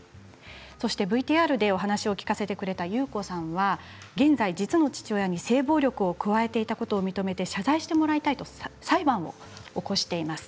そしてＶＴＲでお話を聞かせてくれたユウコさんは現在、実の父親に性暴力を加えていたことを認めて謝罪してもらいたいと裁判を起こしています。